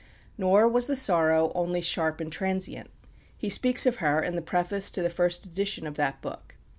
Nor was the sorrow only sharp and transient. He speaks of her in the preface to the first edition of that book.